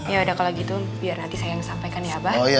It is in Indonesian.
ya udah kalau gitu biar nanti saya yang sampaikan ya pak